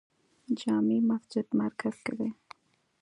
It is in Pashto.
جامع مسجد مرکز کې دی